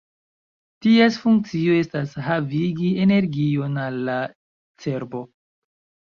Ties funkcio estas havigi energion al la cerbo.